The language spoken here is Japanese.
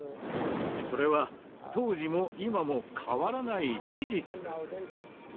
それは当時も今も変わらない事実です。